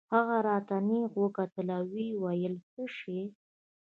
هغه راته نېغ وکتل ويې ويل څه شى.